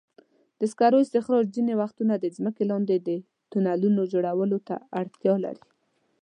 د سکرو استخراج ځینې وختونه د ځمکې لاندې د تونلونو جوړولو ته اړتیا لري.